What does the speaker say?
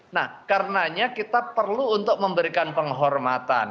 nah karenanya kita perlu untuk memberikan penghormatan